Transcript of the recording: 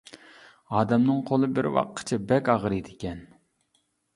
ئادەمنىڭ قولى بىر ۋاققىچە بەك ئاغرىيدىكەن.